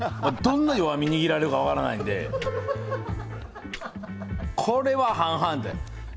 どんな弱み握られるか分からないんで、これは半々で。